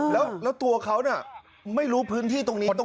แล้วตัวเขาไม่รู้พื้นที่ตรงนี้